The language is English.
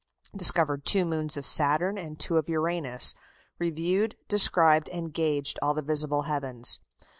Discovered two moons of Saturn and two of Uranus. Reviewed, described, and gauged all the visible heavens.